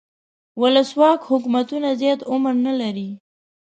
ولسواک حکومتونه زیات عمر نه لري.